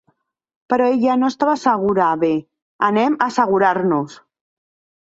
Però ella no estava segura -bé, anem a assegurar-nos!